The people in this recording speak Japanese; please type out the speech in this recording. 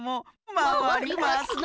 まわりますな。